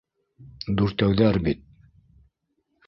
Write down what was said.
Дүртәүҙәр бит!